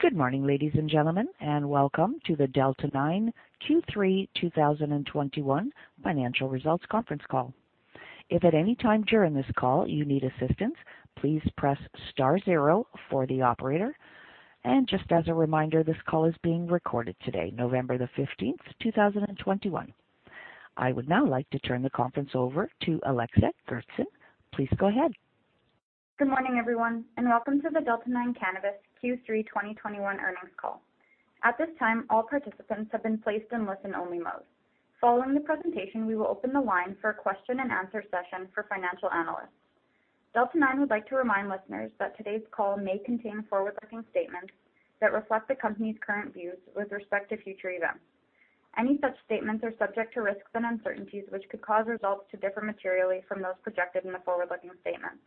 Good morning, ladies and gentlemen, and welcome to the Delta 9 Q3 2021 financial results conference call. If at any time during this call you need assistance, please press star zero for the operator. Just as a reminder, this call is being recorded today, November 15, 2021. I would now like to turn the conference over to Alexa Goertzen. Please go ahead. Good morning, everyone, and welcome to the Delta 9 Cannabis Q3 2021 earnings call. At this time, all participants have been placed in listen-only mode. Following the presentation, we will open the line for a question and answer session for financial analysts. Delta 9 Cannabis would like to remind listeners that today's call may contain forward-looking statements that reflect the company's current views with respect to future events. Any such statements are subject to risks and uncertainties, which could cause results to differ materially from those projected in the forward-looking statements.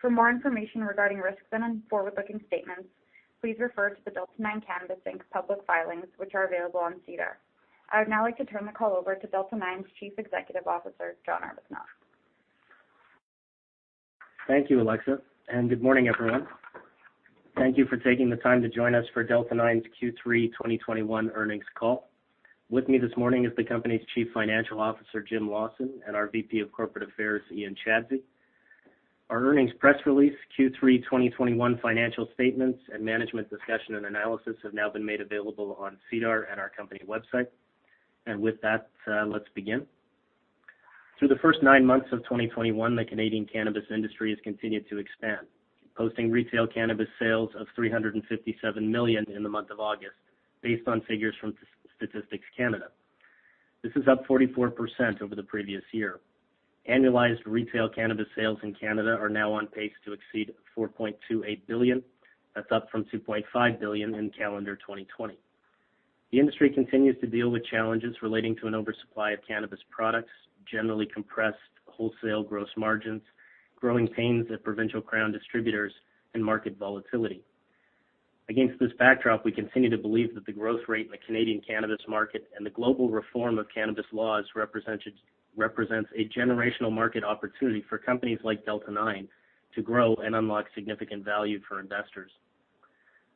For more information regarding risks and forward-looking statements, please refer to the Delta 9 Cannabis Inc. public filings, which are available on SEDAR. I would now like to turn the call over to Delta 9's Chief Executive Officer, John Arbuthnot. Thank you, Alexa, and good morning, everyone. Thank you for taking the time to join us for Delta 9's Q3 2021 earnings call. With me this morning is the company's Chief Financial Officer, Jim Lawson, and our VP of Corporate Affairs, Ian Chadsey. Our earnings press release, Q3 2021 financial statements, and management discussion and analysis have now been made available on SEDAR at our company website. With that, let's begin. Through the first nine months of 2021, the Canadian cannabis industry has continued to expand, posting retail cannabis sales of 357 million in the month of August, based on figures from Statistics Canada. This is up 44% over the previous year. Annualized retail cannabis sales in Canada are now on pace to exceed 4.28 billion. That's up from 2.5 billion in calendar 2020. The industry continues to deal with challenges relating to an oversupply of cannabis products, generally compressed wholesale gross margins, growing pains at provincial crown distributors, and market volatility. Against this backdrop, we continue to believe that the growth rate in the Canadian cannabis market and the global reform of cannabis laws represents a generational market opportunity for companies like Delta 9 to grow and unlock significant value for investors.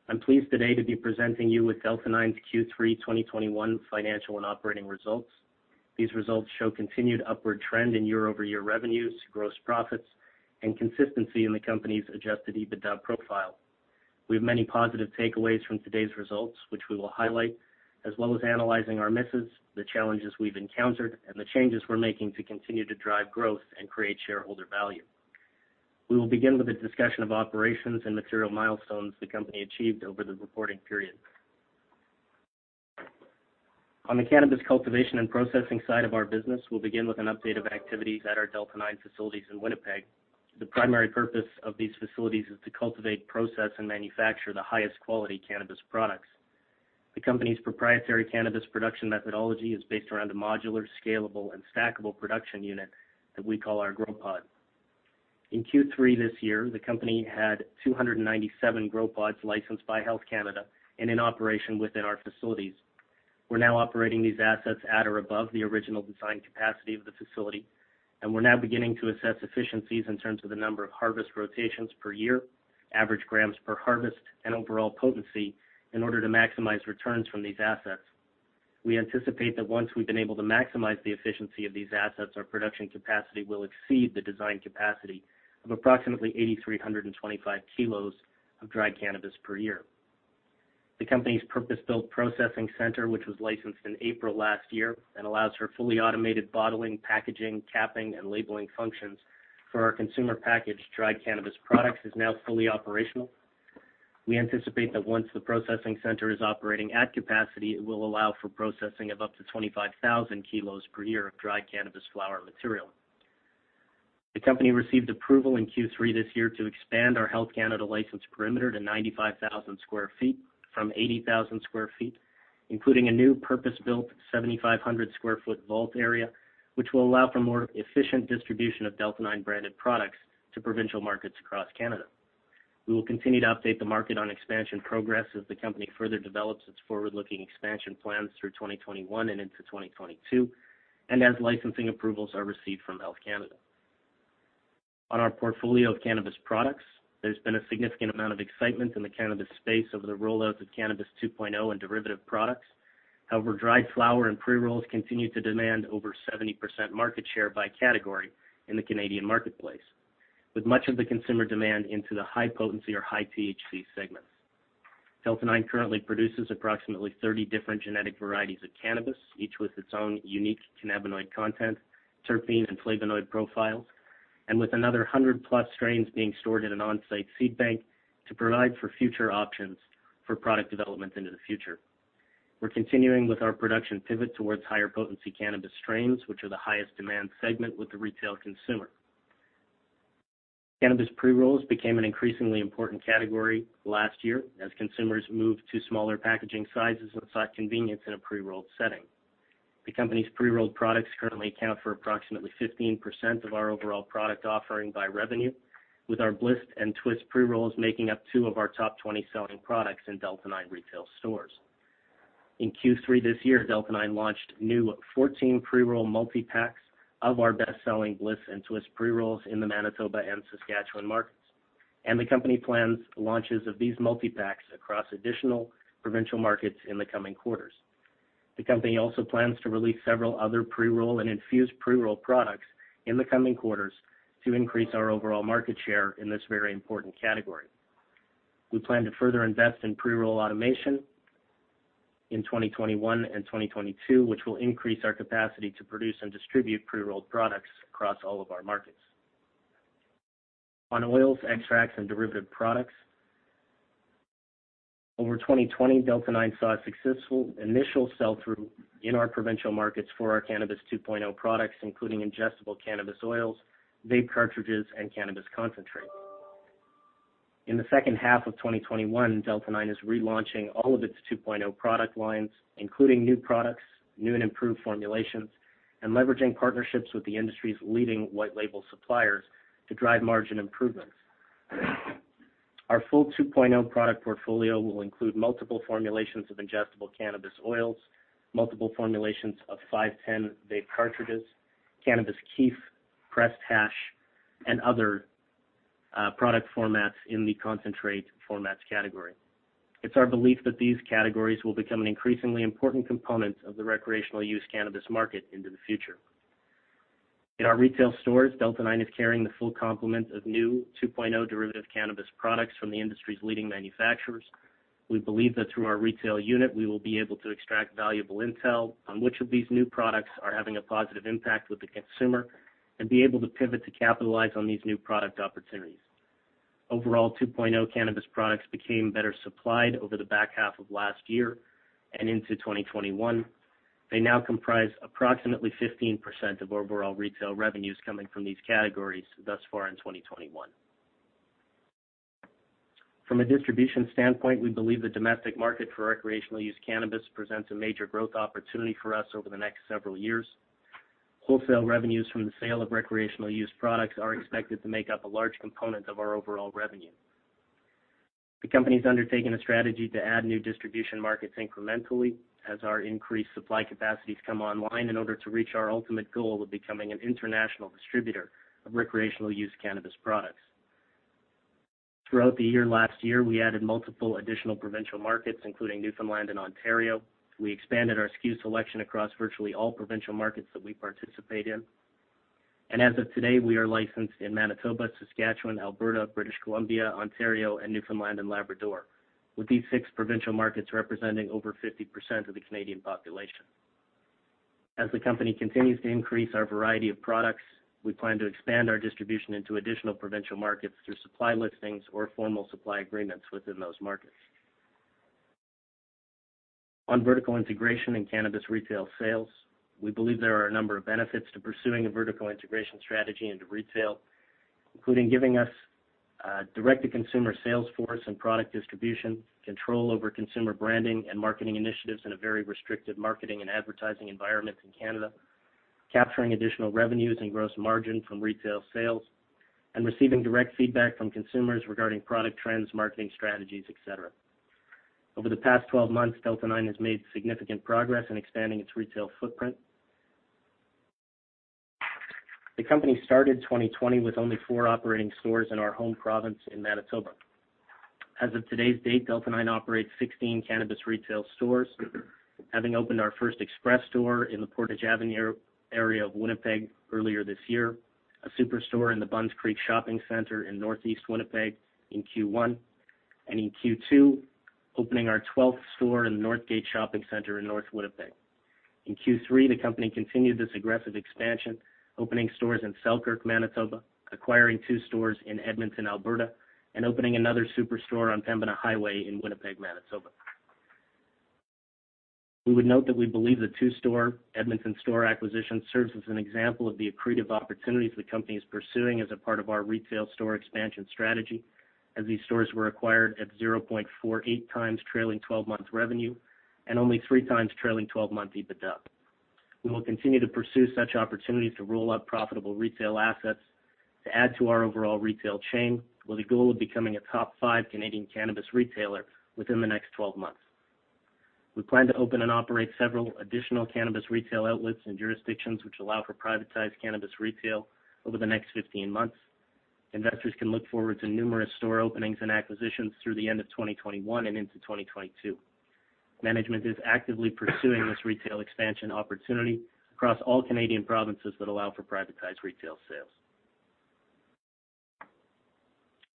I'm pleased today to be presenting you with Delta 9's Q3 2021 financial and operating results. These results show continued upward trend in year-over-year revenues, gross profits, and consistency in the company's adjusted EBITDA profile. We have many positive takeaways from today's results, which we will highlight, as well as analyzing our misses, the challenges we've encountered, and the changes we're making to continue to drive growth and create shareholder value. We will begin with a discussion of operations and material milestones the company achieved over the reporting period. On the cannabis cultivation and processing side of our business, we'll begin with an update of activities at our Delta 9 facilities in Winnipeg. The primary purpose of these facilities is to cultivate, process, and manufacture the highest quality cannabis products. The company's proprietary cannabis production methodology is based around a modular, scalable, and stackable production unit that we call our GrowPod. In Q3 this year, the company had 297 GrowPods licensed by Health Canada and in operation within our facilities. We're now operating these assets at or above the original design capacity of the facility, and we're now beginning to assess efficiencies in terms of the number of harvest rotations per year, average grams per harvest, and overall potency in order to maximize returns from these assets. We anticipate that once we've been able to maximize the efficiency of these assets, our production capacity will exceed the design capacity of approximately 8,325 kilos of dry cannabis per year. The company's purpose-built processing center, which was licensed in April last year and allows for fully automated bottling, packaging, capping, and labeling functions for our consumer packaged dry cannabis products, is now fully operational. We anticipate that once the processing center is operating at capacity, it will allow for processing of up to 25,000 kilos per year of dry cannabis flower material. The company received approval in Q3 this year to expand our Health Canada license perimeter to 95,000 sq ft from 80,000 sq ft, including a new purpose-built 7,500 sq ft vault area, which will allow for more efficient distribution of Delta 9 branded products to provincial markets across Canada. We will continue to update the market on expansion progress as the company further develops its forward-looking expansion plans through 2021 and into 2022, and as licensing approvals are received from Health Canada. On our portfolio of cannabis products, there's been a significant amount of excitement in the cannabis space over the rollout of Cannabis 2.0 and derivative products. However, dry flower and pre-rolls continue to demand over 70% market share by category in the Canadian marketplace, with much of the consumer demand into the high potency or high THC segments. Delta 9 currently produces approximately 30 different genetic varieties of cannabis, each with its own unique cannabinoid content, terpene, and flavonoid profiles, and with another 100-plus strains being stored in an on-site seed bank to provide for future options for product development into the future. We're continuing with our production pivot towards higher potency cannabis strains, which are the highest demand segment with the retail consumer. Cannabis pre-rolls became an increasingly important category last year as consumers moved to smaller packaging sizes and sought convenience in a pre-rolled setting. The company's pre-rolled products currently account for approximately 15% of our overall product offering by revenue, with our Bliss and Twist pre-rolls making up 2 of our top 20 selling products in Delta 9 retail stores. In Q3 this year, Delta 9 launched new 14 pre-roll multi-packs of our best-selling Bliss and Twist pre-rolls in the Manitoba and Saskatchewan markets. The company plans launches of these multi-packs across additional provincial markets in the coming quarters. The company also plans to release several other pre-roll and infused pre-roll products in the coming quarters to increase our overall market share in this very important category. We plan to further invest in pre-roll automation in 2021 and 2022, which will increase our capacity to produce and distribute pre-rolled products across all of our markets. On oils, extracts, and derivative products over 2020, Delta 9 saw a successful initial sell-through in our provincial markets for our Cannabis 2.0 products, including ingestible cannabis oils, vape cartridges, and cannabis concentrate. In the second half of 2021, Delta 9 is relaunching all of its 2.0 product lines, including new products, new and improved formulations, and leveraging partnerships with the industry's leading white label suppliers to drive margin improvements. Our full 2.0 product portfolio will include multiple formulations of ingestible cannabis oils, multiple formulations of 510 vape cartridges, cannabis kief, pressed hash, and other, product formats in the concentrate formats category. It's our belief that these categories will become an increasingly important component of the recreational use cannabis market into the future. In our retail stores, Delta 9 is carrying the full complement of new 2.0 derivative cannabis products from the industry's leading manufacturers. We believe that through our retail unit, we will be able to extract valuable intel on which of these new products are having a positive impact with the consumer and be able to pivot to capitalize on these new product opportunities. Overall, 2.0 cannabis products became better supplied over the back half of last year and into 2021. They now comprise approximately 15% of overall retail revenues coming from these categories thus far in 2021. From a distribution standpoint, we believe the domestic market for recreational-use cannabis presents a major growth opportunity for us over the next several years. Wholesale revenues from the sale of recreational use products are expected to make up a large component of our overall revenue. The company is undertaking a strategy to add new distribution markets incrementally as our increased supply capacities come online in order to reach our ultimate goal of becoming an international distributor of recreational use cannabis products. Throughout the year last year, we added multiple additional provincial markets, including Newfoundland and Ontario. We expanded our SKU selection across virtually all provincial markets that we participate in. As of today, we are licensed in Manitoba, Saskatchewan, Alberta, British Columbia, Ontario, and Newfoundland and Labrador, with these six provincial markets representing over 50% of the Canadian population. As the company continues to increase our variety of products, we plan to expand our distribution into additional provincial markets through supply listings or formal supply agreements within those markets. On vertical integration and cannabis retail sales, we believe there are a number of benefits to pursuing a vertical integration strategy into retail, including giving us a direct-to-consumer sales force and product distribution, control over consumer branding and marketing initiatives in a very restricted marketing and advertising environment in Canada, capturing additional revenues and gross margin from retail sales, and receiving direct feedback from consumers regarding product trends, marketing strategies, et cetera. Over the past 12 months, Delta 9 has made significant progress in expanding its retail footprint. The company started 2020 with only 4 operating stores in our home province in Manitoba. As of today's date, Delta 9 operates 16 cannabis retail stores, having opened our first express store in the Portage Avenue area of Winnipeg earlier this year, a superstore in the Bunn's Creek Shopping Centre in Northeast Winnipeg in Q1, and in Q2, opening our 12th store in the Northgate Shopping Centre in North Winnipeg. In Q3, the company continued this aggressive expansion, opening stores in Selkirk, Manitoba, acquiring two stores in Edmonton, Alberta, and opening another superstore on Pembina Highway in Winnipeg, Manitoba. We would note that we believe the two-store Edmonton store acquisition serves as an example of the accretive opportunities the company is pursuing as a part of our retail store expansion strategy, as these stores were acquired at 0.48 times trailing twelve months revenue and only 3 times trailing twelve-month EBITDA. We will continue to pursue such opportunities to roll out profitable retail assets to add to our overall retail chain with a goal of becoming a top five Canadian cannabis retailer within the next 12 months. We plan to open and operate several additional cannabis retail outlets in jurisdictions which allow for privatized cannabis retail over the next 15 months. Investors can look forward to numerous store openings and acquisitions through the end of 2021 and into 2022. Management is actively pursuing this retail expansion opportunity across all Canadian provinces that allow for privatized retail sales.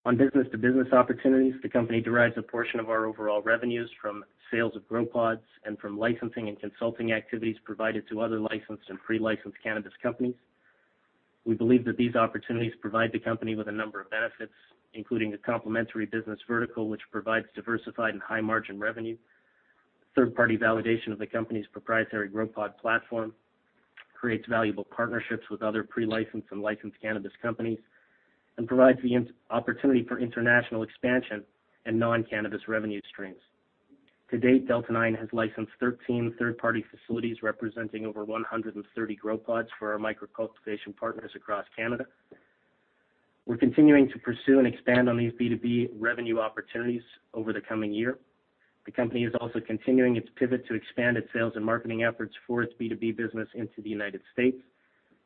On business-to-business opportunities, the company derives a portion of our overall revenues from sales of GrowPods and from licensing and consulting activities provided to other licensed and pre-licensed cannabis companies. We believe that these opportunities provide the company with a number of benefits, including a complementary business vertical, which provides diversified and high-margin revenue. Third-party validation of the company's proprietary GrowPod platform creates valuable partnerships with other pre-licensed and licensed cannabis companies and provides the opportunity for international expansion and non-cannabis revenue streams. To date, Delta 9 has licensed 13 third-party facilities representing over 130 GrowPods for our microcultivation partners across Canada. We are continuing to pursue and expand on these B2B revenue opportunities over the coming year. The company is also continuing its pivot to expand its sales and marketing efforts for its B2B business into the United States.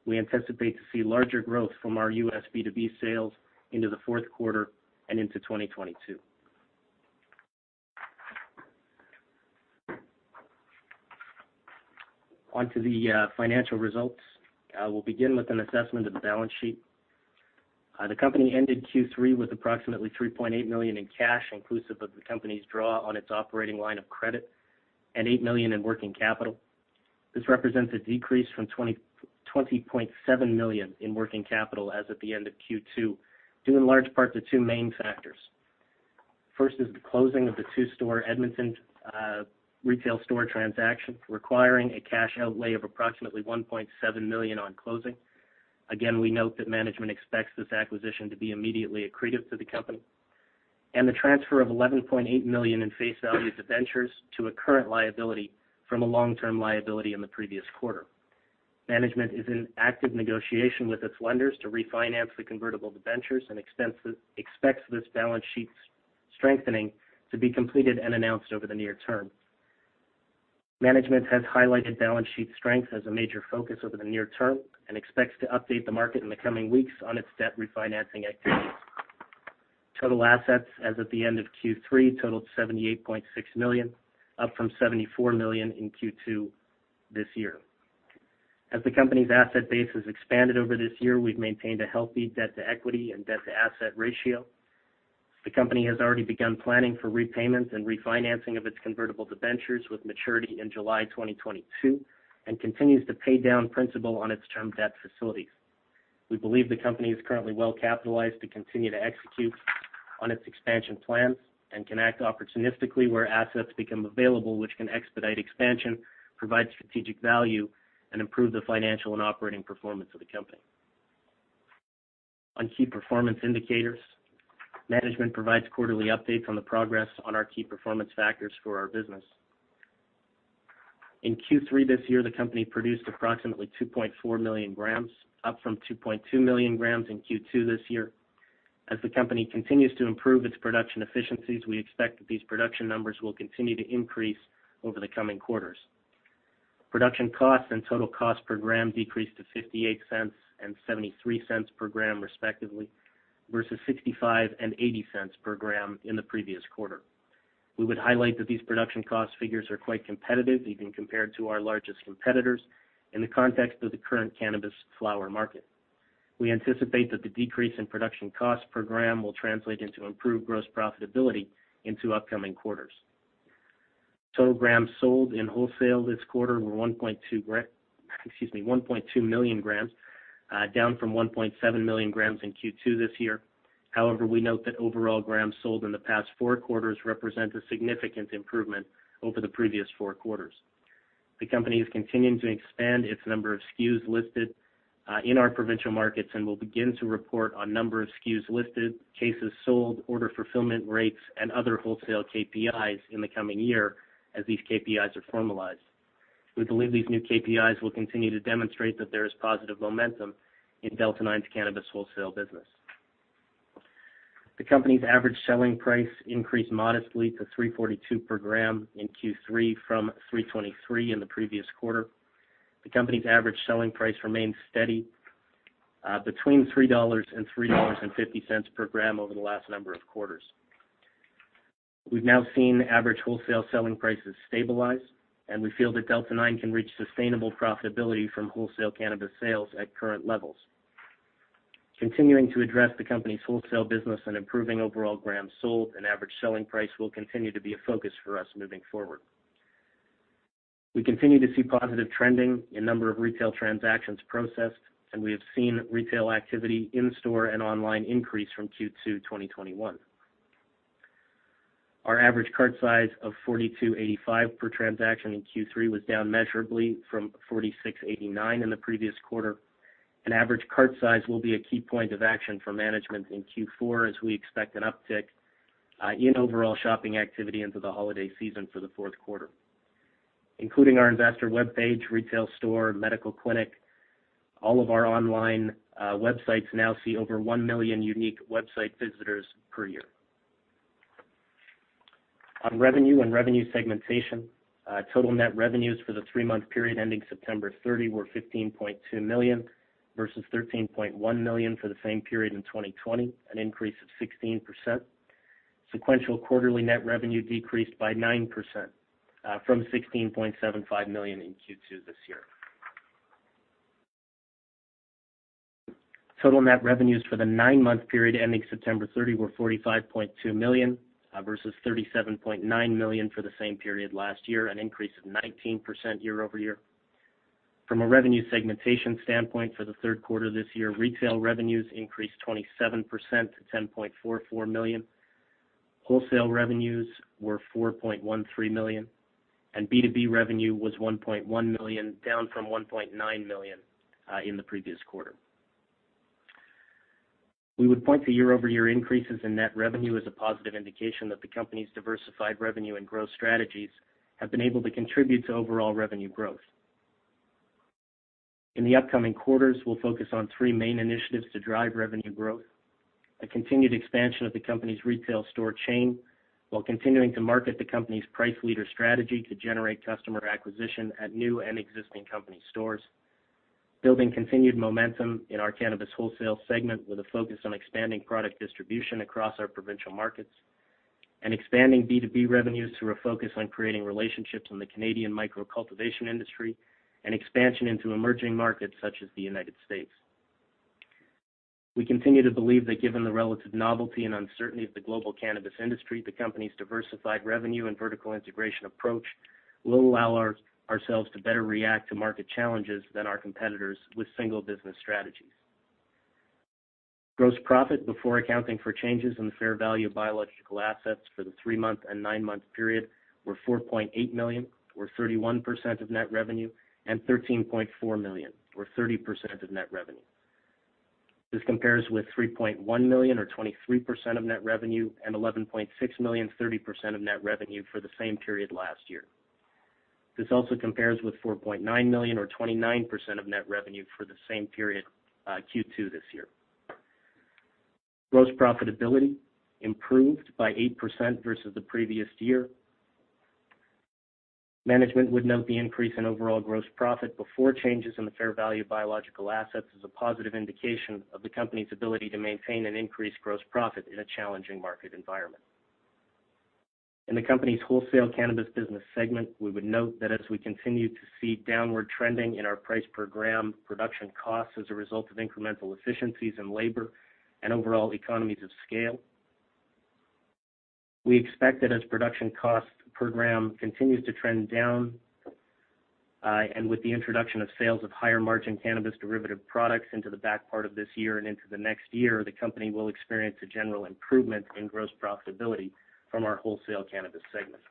We anticipate to see larger growth from our U.S. B2B sales into the fourth quarter and into 2022. On to the financial results. I will begin with an assessment of the balance sheet. The company ended Q3 with approximately 3.8 million in cash, inclusive of the company's draw on its operating line of credit and 8 million in working capital. This represents a decrease from 20.7 million in working capital as at the end of Q2, due in large part to two main factors. First is the closing of the two-store Edmonton retail store transaction, requiring a cash outlay of approximately 1.7 million on closing. Again, we note that management expects this acquisition to be immediately accretive to the company, and the transfer of 11.8 million in face value of debentures to a current liability from a long-term liability in the previous quarter. Management is in active negotiation with its lenders to refinance the convertible debentures and expects this balance sheet strengthening to be completed and announced over the near term. Management has highlighted balance sheet strength as a major focus over the near term and expects to update the market in the coming weeks on its debt refinancing activities. Total assets as at the end of Q3 totaled 78.6 million, up from 74 million in Q2 this year. As the company's asset base has expanded over this year, we've maintained a healthy debt-to-equity and debt-to-asset ratio. The company has already begun planning for repayments and refinancing of its convertible debentures with maturity in July 2022 and continues to pay down principal on its term debt facilities. We believe the company is currently well capitalized to continue to execute on its expansion plans and can act opportunistically where assets become available, which can expedite expansion, provide strategic value, and improve the financial and operating performance of the company. On key performance indicators, management provides quarterly updates on the progress on our key performance indicators for our business. In Q3 this year, the company produced approximately 2.4 million grams, up from 2.2 million grams in Q2 this year. As the company continues to improve its production efficiencies, we expect that these production numbers will continue to increase over the coming quarters. Production costs and total cost per gram decreased to 0.58 and 0.73 per gram, respectively, versus 0.65 and 0.80 per gram in the previous quarter. We would highlight that these production cost figures are quite competitive, even compared to our largest competitors in the context of the current cannabis flower market. We anticipate that the decrease in production cost per gram will translate into improved gross profitability into upcoming quarters. Total grams sold in wholesale this quarter were 1.2 million grams, down from 1.7 million grams in Q2 this year. However, we note that overall grams sold in the past four quarters represent a significant improvement over the previous four quarters. The company is continuing to expand its number of SKUs listed in our provincial markets, and will begin to report on number of SKUs listed, cases sold, order fulfillment rates, and other wholesale KPIs in the coming year as these KPIs are formalized. We believe these new KPIs will continue to demonstrate that there is positive momentum in Delta 9's cannabis wholesale business. The company's average selling price increased modestly to 3.42 per gram in Q3 from 3.23 in the previous quarter. The company's average selling price remains steady between 3 dollars and 3.50 dollars per gram over the last number of quarters. We've now seen average wholesale selling prices stabilize, and we feel that Delta 9 can reach sustainable profitability from wholesale cannabis sales at current levels. Continuing to address the company's wholesale business and improving overall grams sold and average selling price will continue to be a focus for us moving forward. We continue to see positive trending in number of retail transactions processed, and we have seen retail activity in store and online increase from Q2 2021. Our average cart size of 42.85 per transaction in Q3 was down measurably from 46.89 in the previous quarter. Average cart size will be a key point of action for management in Q4, as we expect an uptick in overall shopping activity into the holiday season for the fourth quarter. Including our investor web page, retail store, medical clinic, all of our online websites now see over 1 million unique website visitors per year. On revenue and revenue segmentation, total net revenues for the three-month period ending September 30 were 15.2 million, versus 13.1 million for the same period in 2020, an increase of 16%. Sequential quarterly net revenue decreased by 9% from 16.75 million in Q2 this year. Total net revenues for the nine-month period ending September 30 were 45.2 million, versus 37.9 million for the same period last year, an increase of 19% year-over-year. From a revenue segmentation standpoint for the third quarter this year, retail revenues increased 27% to 10.44 million. Wholesale revenues were 4.13 million, and B2B revenue was 1.1 million, down from 1.9 million in the previous quarter. We would point to year-over-year increases in net revenue as a positive indication that the company's diversified revenue and growth strategies have been able to contribute to overall revenue growth. In the upcoming quarters, we'll focus on three main initiatives to drive revenue growth. A continued expansion of the company's retail store chain while continuing to market the company's price leader strategy to generate customer acquisition at new and existing company stores. Building continued momentum in our cannabis wholesale segment with a focus on expanding product distribution across our provincial markets. Expanding B2B revenues through a focus on creating relationships in the Canadian micro-cultivation industry and expansion into emerging markets such as the United States. We continue to believe that given the relative novelty and uncertainty of the global cannabis industry, the company's diversified revenue and vertical integration approach will allow ourselves to better react to market challenges than our competitors with single business strategies. Gross profit before accounting for changes in the fair value of biological assets for the three-month and nine-month period were 4.8 million, or 31% of net revenue, and 13.4 million, or 30% of net revenue. This compares with 3.1 million, or 23% of net revenue, and 11.6 million, 30% of net revenue for the same period last year. This also compares with 4.9 million, or 29% of net revenue for the same period, Q2 this year. Gross profitability improved by 8% versus the previous year. Management would note the increase in overall gross profit before changes in the fair value of biological assets as a positive indication of the company's ability to maintain an increased gross profit in a challenging market environment. In the company's wholesale cannabis business segment, we would note that as we continue to see downward trending in our price per gram production costs as a result of incremental efficiencies in labor and overall economies of scale, we expect that as production cost per gram continues to trend down, and with the introduction of sales of higher-margin cannabis derivative products into the back part of this year and into the next year, the company will experience a general improvement in gross profitability from our wholesale cannabis segment.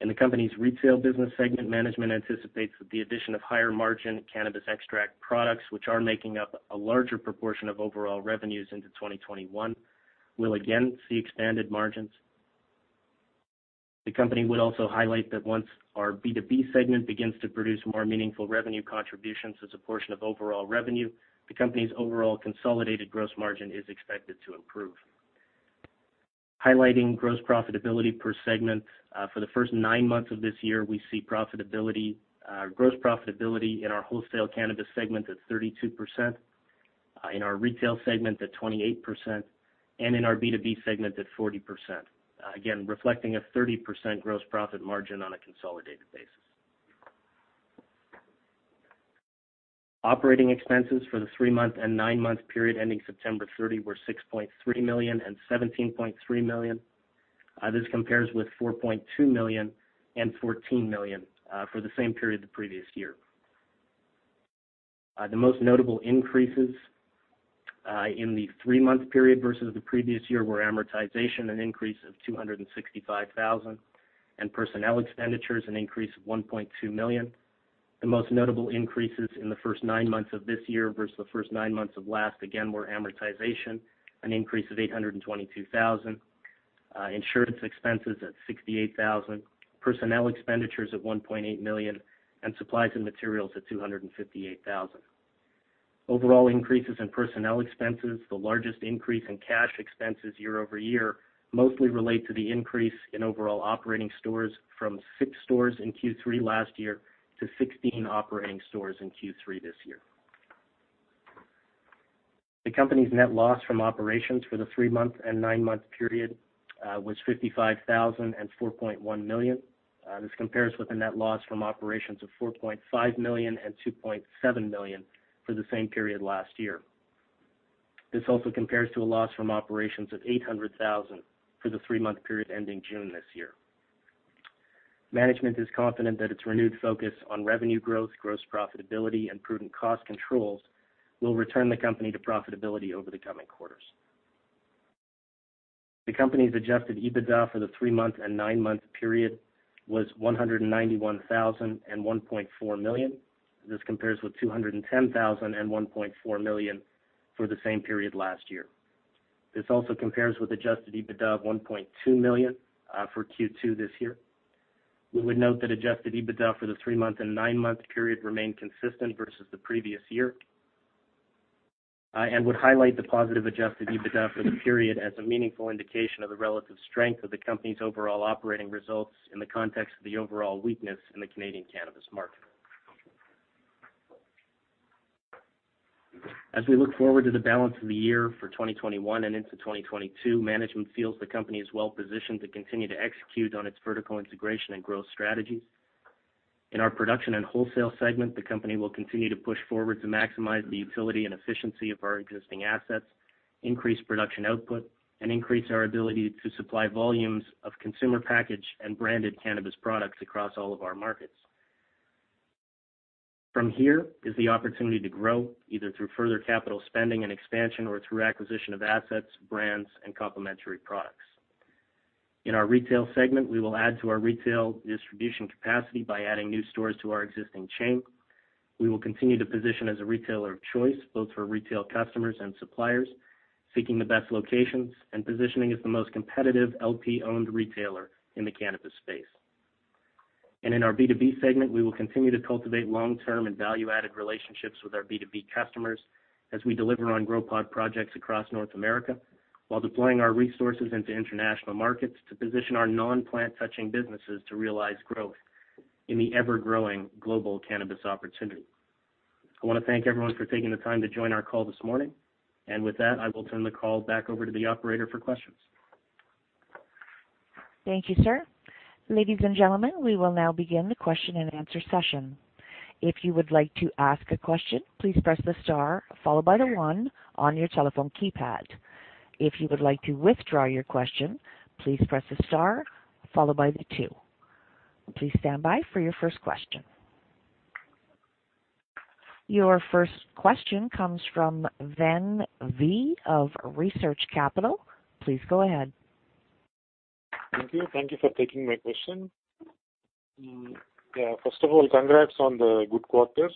In the company's retail business segment, management anticipates that the addition of higher-margin cannabis extract products, which are making up a larger proportion of overall revenues into 2021, will again see expanded margins. The company would also highlight that once our B2B segment begins to produce more meaningful revenue contributions as a portion of overall revenue, the company's overall consolidated gross margin is expected to improve. Highlighting gross profitability per segment, for the first nine months of this year, we see profitability, gross profitability in our wholesale cannabis segment at 32%, in our retail segment at 28%, and in our B2B segment at 40%. Again, reflecting a 30% gross profit margin on a consolidated basis. Operating expenses for the three-month and nine-month period ending September 30 were 6.3 million and 17.3 million. This compares with 4.2 million and 14 million, for the same period the previous year. The most notable increases in the three-month period versus the previous year were amortization, an increase of 265,000, and personnel expenditures, an increase of 1.2 million. The most notable increases in the first nine months of this year versus the first nine months of last, again, were amortization, an increase of 822,000, insurance expenses at 68,000, personnel expenditures at 1.8 million, and supplies and materials at 258,000. Overall increases in personnel expenses, the largest increase in cash expenses year-over-year, mostly relate to the increase in overall operating stores from 6 stores in Q3 last year to 16 operating stores in Q3 this year. The company's net loss from operations for the three-month and nine-month period was 55,000 and 4.1 million. This compares with a net loss from operations of 4.5 million and 2.7 million for the same period last year. This also compares to a loss from operations of 800,000 for the three-month period ending June this year. Management is confident that its renewed focus on revenue growth, gross profitability, and prudent cost controls will return the company to profitability over the coming quarters. The company's adjusted EBITDA for the three-month and nine-month period was 191,000 and 1.4 million. This compares with 210,000 and 1.4 million for the same period last year. This also compares with adjusted EBITDA of 1.2 million for Q2 this year. We would note that adjusted EBITDA for the three-month and nine-month period remained consistent versus the previous year, and would highlight the positive adjusted EBITDA for the period as a meaningful indication of the relative strength of the company's overall operating results in the context of the overall weakness in the Canadian cannabis market. As we look forward to the balance of the year for 2021 and into 2022, management feels the company is well-positioned to continue to execute on its vertical integration and growth strategies. In our production and wholesale segment, the company will continue to push forward to maximize the utility and efficiency of our existing assets, increase production output, and increase our ability to supply volumes of consumer packaged and branded cannabis products across all of our markets. From here is the opportunity to grow, either through further capital spending and expansion or through acquisition of assets, brands, and complementary products. In our retail segment, we will add to our retail distribution capacity by adding new stores to our existing chain. We will continue to position as a retailer of choice, both for retail customers and suppliers, seeking the best locations and positioning as the most competitive LP-owned retailer in the cannabis space. In our B2B segment, we will continue to cultivate long-term and value-added relationships with our B2B customers as we deliver on GrowPod projects across North America while deploying our resources into international markets to position our non-plant touching businesses to realize growth in the ever-growing global cannabis opportunity. I want to thank everyone for taking the time to join our call this morning. With that, I will turn the call back over to the operator for questions. Thank you, sir. Ladies and gentlemen, we will now begin the question-and-answer session. If you would like to ask a question, please press the star followed by the one on your telephone keypad. If you would like to withdraw your question, please press the star followed by the two. Please stand by for your first question. Your first question comes from Ven V. of Research Capital. Please go ahead. Thank you for taking my question. Yeah, first of all, congrats on the good quarters.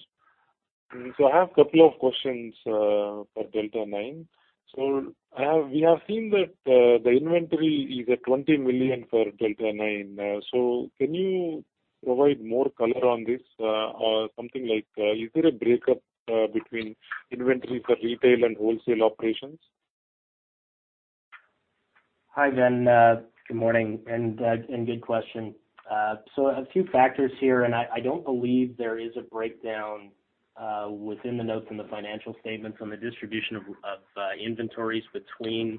I have a couple of questions for Delta 9. We have seen that the inventory is at 20 million for Delta 9. Can you provide more color on this? Or something like, is there a breakdown between inventories for retail and wholesale operations? Hi, Ven V. Good morning and good question. So a few factors here, and I don't believe there is a breakdown within the notes in the financial statements on the distribution of inventories between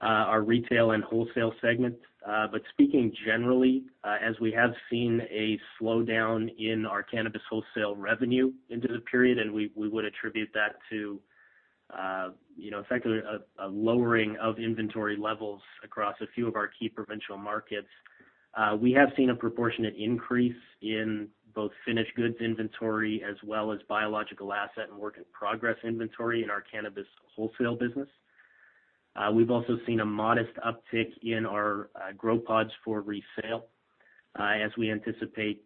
our retail and wholesale segments. But speaking generally, as we have seen a slowdown in our cannabis wholesale revenue into the period, and we would attribute that to you know, effectively a lowering of inventory levels across a few of our key provincial markets. We have seen a proportionate increase in both finished goods inventory as well as biological asset and work-in-progress inventory in our cannabis wholesale business. We've also seen a modest uptick in our GrowPods for resale, as we anticipate,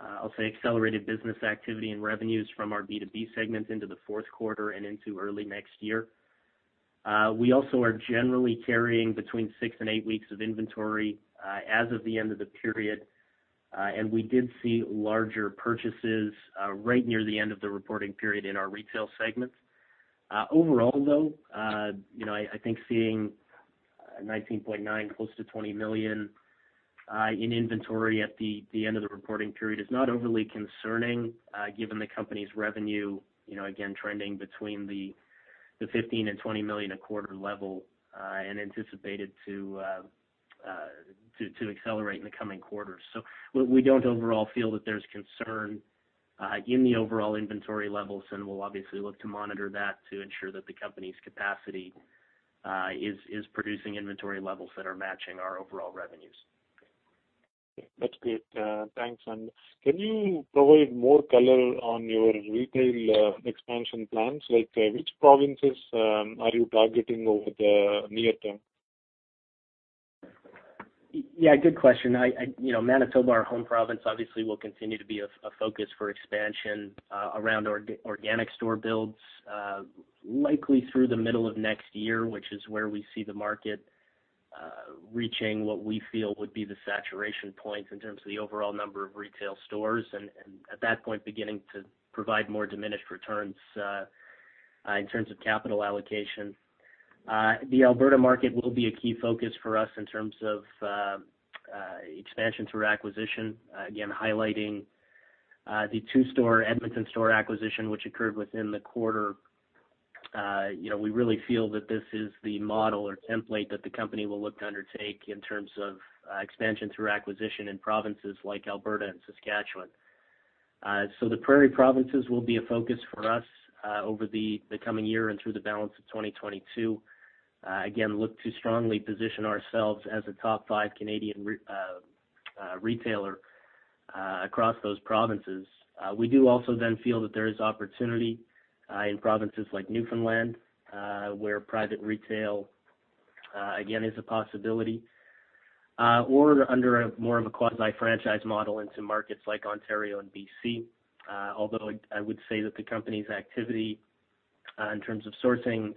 I'll say, accelerated business activity and revenues from our B2B segments into the fourth quarter and into early next year. We also are generally carrying between 6 and 8 weeks of inventory, as of the end of the period, and we did see larger purchases, right near the end of the reporting period in our retail segments. Overall, though, you know, I think seeing 19.9 million close to 20 million in inventory at the end of the reporting period is not overly concerning, given the company's revenue, you know, again, trending between 15 million and 20 million a quarter level, and anticipated to accelerate in the coming quarters. We don't overall feel that there's concern in the overall inventory levels, and we'll obviously look to monitor that to ensure that the company's capacity is producing inventory levels that are matching our overall revenues. That's great. Thanks. Can you provide more color on your retail expansion plans? Like, which provinces are you targeting over the near term? Yeah, good question. You know, Manitoba, our home province, obviously will continue to be a focus for expansion around organic store builds, likely through the middle of next year, which is where we see the market reaching what we feel would be the saturation point in terms of the overall number of retail stores, and at that point, beginning to provide more diminished returns in terms of capital allocation. The Alberta market will be a key focus for us in terms of expansion through acquisition, again, highlighting the two-store Edmonton store acquisition, which occurred within the quarter. You know, we really feel that this is the model or template that the company will look to undertake in terms of expansion through acquisition in provinces like Alberta and Saskatchewan. The prairie provinces will be a focus for us over the coming year and through the balance of 2022. Again, look to strongly position ourselves as a top five Canadian retailer across those provinces. We do also then feel that there is opportunity in provinces like Newfoundland where private retail again is a possibility or under more of a quasi franchise model into markets like Ontario and BC. Although I would say that the company's activity in terms of sourcing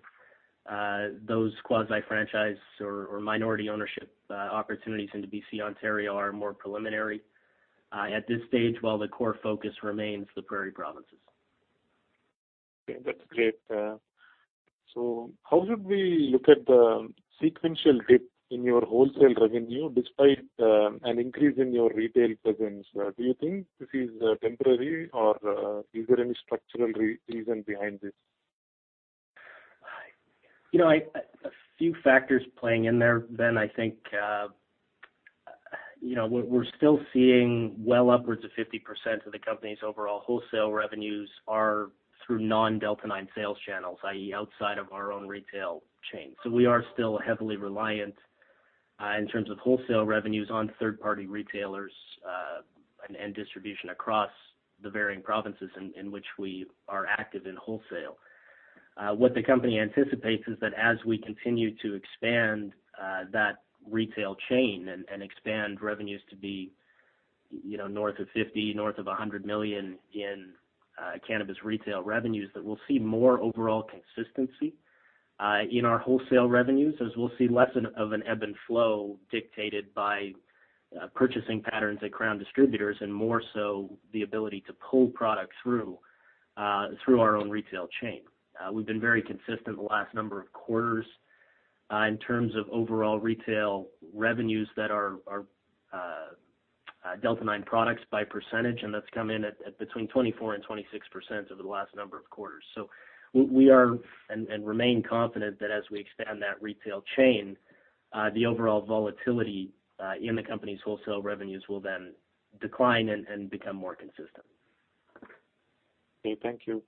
those quasi franchise or minority ownership opportunities into BC, Ontario are more preliminary at this stage, while the core focus remains the prairie provinces. Okay, that's great. How should we look at the sequential dip in your wholesale revenue despite an increase in your retail presence? Do you think this is temporary or is there any structural reason behind this? You know, few factors playing in there, Ven V. I think, you know, we're still seeing well upwards of 50% of the company's overall wholesale revenues are through non Delta 9 sales channels, i.e., outside of our own retail chain. We are still heavily reliant, in terms of wholesale revenues on third-party retailers, and distribution across the varying provinces in which we are active in wholesale. What the company anticipates is that as we continue to expand that retail chain and expand revenues to be, you know, north of 50 million, north of 100 million in cannabis retail revenues, that we'll see more overall consistency in our wholesale revenues, as we'll see less of an ebb and flow dictated by purchasing patterns at Crown distributors and more so the ability to pull product through our own retail chain. We've been very consistent the last number of quarters in terms of overall retail revenues that are Delta 9 products by percentage, and that's come in at between 24% and 26% over the last number of quarters. We are and remain confident that as we expand that retail chain, the overall volatility in the company's wholesale revenues will then decline and become more consistent. Okay. Thank you.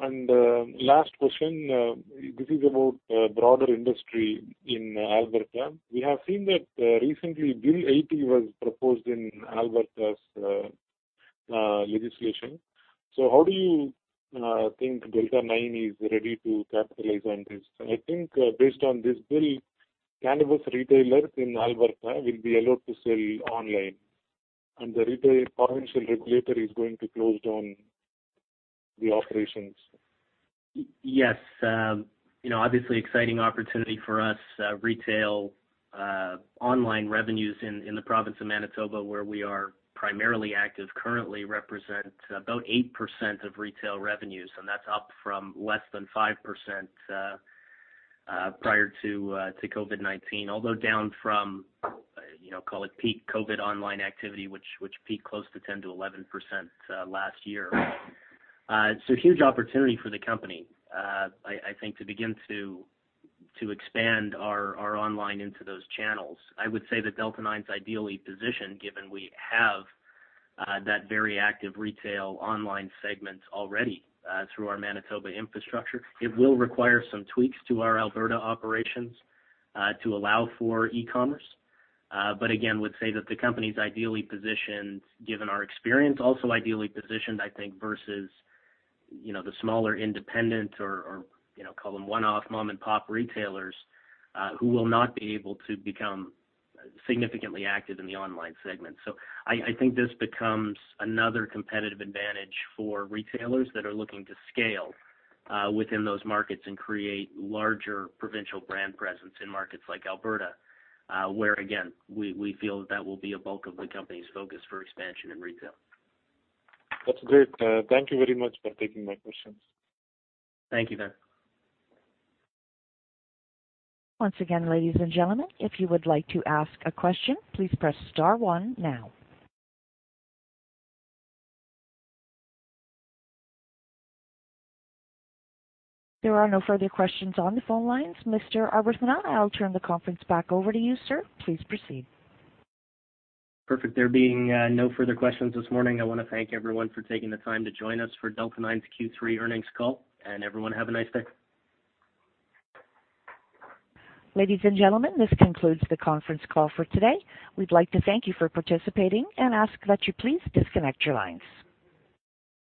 Last question, this is about the broader industry in Alberta. We have seen that recently Bill 80 was proposed in Alberta's legislation. How do you think Delta 9 is ready to capitalize on this? I think based on this bill, cannabis retailers in Alberta will be allowed to sell online, and the retail provincial regulator is going to close down the operations. Yes. You know, obviously exciting opportunity for us. Retail online revenues in the province of Manitoba, where we are primarily active currently represent about 8% of retail revenues, and that's up from less than 5% prior to COVID-19. Although down from, you know, call it peak COVID online activity, which peaked close to 10%-11% last year. So huge opportunity for the company, I think, to begin to expand our online into those channels. I would say that Delta 9's ideally positioned, given we have that very active retail online segment already through our Manitoba infrastructure. It will require some tweaks to our Alberta operations to allow for e-commerce. But again, would say that the company's ideally positioned given our experience. Also ideally positioned, I think, versus, you know, the smaller independent or, you know, call them one-off mom-and-pop retailers, who will not be able to become significantly active in the online segment. I think this becomes another competitive advantage for retailers that are looking to scale, within those markets and create larger provincial brand presence in markets like Alberta, where again, we feel that will be a bulk of the company's focus for expansion and retail. That's great. Thank you very much for taking my questions. Thank you, Ven V. Once again, ladies and gentlemen, if you would like to ask a question, please press star one now. There are no further questions on the phone lines. Mr. Arbuthnot, I'll turn the conference back over to you, sir. Please proceed. Perfect. There being no further questions this morning. I wanna thank everyone for taking the time to join us for Delta 9's Q3 earnings call. Everyone, have a nice day. Ladies and gentlemen, this concludes the conference call for today. We'd like to thank you for participating and ask that you please disconnect your lines.